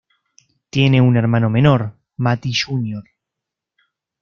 Tiene un hermano menor, Matty Jr.